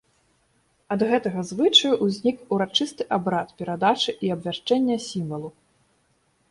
Ад гэтага звычаю ўзнік урачысты абрад перадачы і абвяшчэння сімвалу.